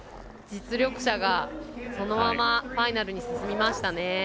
実力者がそのままファイナルに進みましたね。